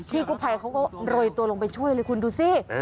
กู้ภัยเขาก็โรยตัวลงไปช่วยเลยคุณดูสิ